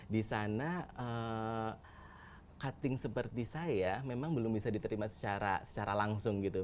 di sana cutting seperti saya memang belum bisa diterima secara langsung gitu